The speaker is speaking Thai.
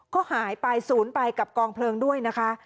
ก็หายไปศูนย์ไปกับกองเพลิงด้วยนะคะ